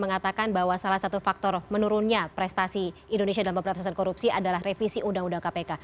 mengatakan bahwa salah satu faktor menurunnya prestasi indonesia dalam pemberantasan korupsi adalah revisi undang undang kpk